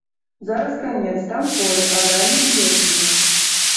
Зараз канец, там поле, а далей і лес ужо.